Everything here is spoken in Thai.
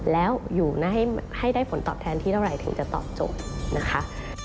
แล้วอยู่ให้ได้ผลตอบแทนที่เท่าไหร่ถึงจะตอบโจทย์นะคะ